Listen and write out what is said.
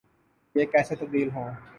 یہ کیسے تبدیل ہوں۔